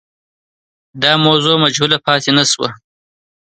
دا موضوع مجهوله پاتې نه سوه.